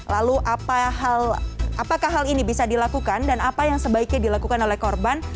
lalu apakah hal ini bisa dilakukan dan apa yang sebaiknya dilakukan oleh korban